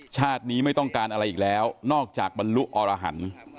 ชาตินี้ไม่ต้องการอะไรอีกแล้วนอกจากบรรลุอรหันต์